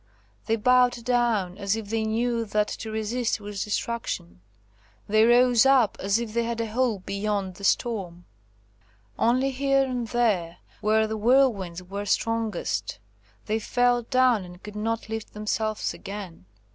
They bowed down, as if they knew that to resist was destruction: they rose up, as if they had a hope beyond the storm. Only here and there, where the whirlwinds were strongest, they fell down and could not lift themselves again.